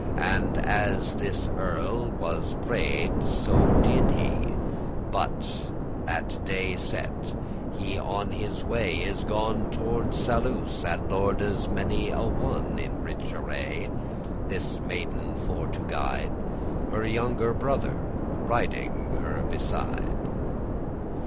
And as this earl was prayed, so did he, For, at day set, he on his way is gone Toward Saluce, and lorde's many a one In rich array, this maiden for to guide, — Her younge brother riding her beside.